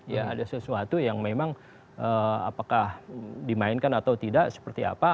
ya ada sesuatu yang memang apakah dimainkan atau tidak seperti apa